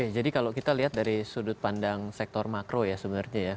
jadi kalau kita lihat dari sudut pandang sektor makro ya sebenarnya ya